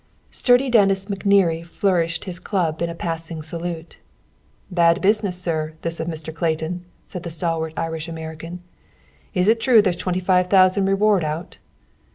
Sturdy Dennis McNerney flourished his club in a passing salute. "Bad business, sir, this of Mr. Clayton," said the stalwart Irish American. "Is it true there's twenty five thousand reward out?"